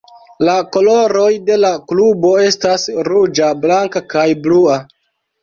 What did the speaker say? La koloroj de la klubo estas ruĝa, blanka, kaj blua.